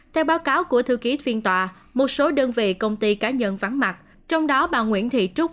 theo báo cáo của thư ký phiên tòa một số đơn vị công ty cá nhân vắng mặt trong đó bà nguyễn thị trúc